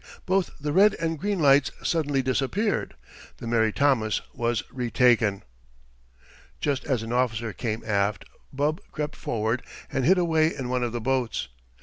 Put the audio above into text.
both the red and green lights suddenly disappeared. The Mary Thomas was retaken! Just as an officer came aft, Bub crept forward, and hid away in one of the boats.